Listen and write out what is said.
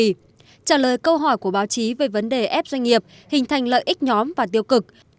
trả lời câu hỏi của báo chí về vấn đề ép doanh nghiệp hình thành lợi ích nhóm và tiêu cực